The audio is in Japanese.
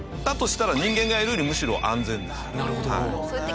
だとしたら人間がやるよりむしろ安全です。